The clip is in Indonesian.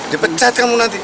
dia pecat kamu nanti